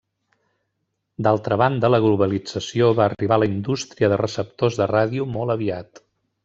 D'altra banda la globalització va arribar a la indústria de receptors de ràdio molt aviat.